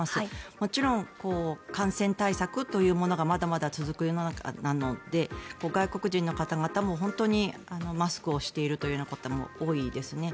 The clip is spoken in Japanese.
もちろん、感染対策というものがまだまだ続く世の中なので外国人の方々も本当にマスクをしているという方も多いですね。